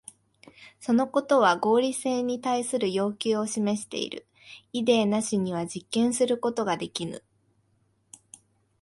そのことは合理性に対する要求を示している。イデーなしには実験することができぬ。